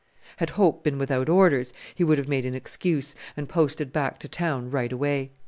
Had Hope been without orders, he would have made an excuse, and posted back to town right away.